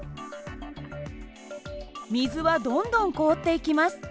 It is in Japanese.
水はどんどん凍っていきます。